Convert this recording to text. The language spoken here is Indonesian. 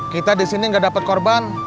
kita di sini nggak dapat korban